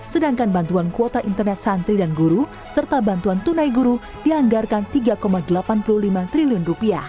sedangkan bantuan kuota internet santri dan guru serta bantuan tunai guru dianggarkan rp tiga delapan puluh lima triliun